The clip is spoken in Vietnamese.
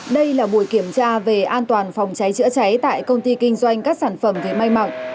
đây là buổi kiểm tra về an toàn phòng trái trễ cháy tại công ty kinh doanh các sản phẩm về may mọng